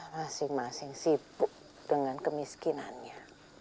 masing masing sibuk dengan kemiskinannya